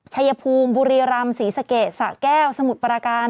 ชายภูมิบุรีรำศรีสะเกดสะแก้วสมุทรปราการ